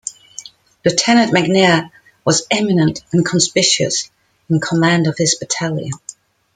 Lieutenant McNair was eminent and conspicuous in command of his battalion.